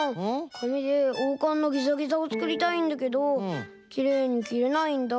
かみでおうかんのギザギザをつくりたいんだけどきれいにきれないんだ。